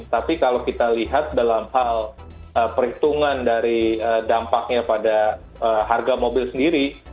tapi kalau kita lihat dalam hal perhitungan dari dampaknya pada harga mobil sendiri